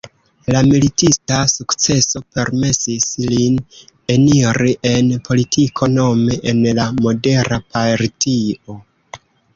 La militista sukceso permesis lin eniri en politiko nome en la Modera Partio.